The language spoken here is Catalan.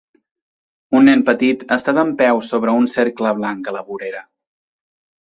Un nen petit està dempeus sobre un cercle blanc a la vorera.